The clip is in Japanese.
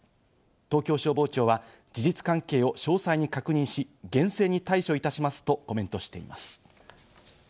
東京消防庁は事実関係を詳細に確認し、厳正に対処いたしますとコメントしています。